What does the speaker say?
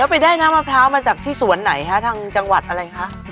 ไปได้น้ำมะพร้าวมาจากที่สวนไหนคะทางจังหวัดอะไรคะ